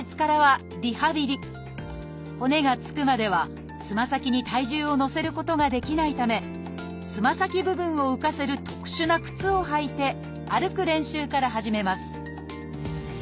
骨がつくまではつま先に体重を乗せることができないためつま先部分を浮かせる特殊な靴を履いて歩く練習から始めます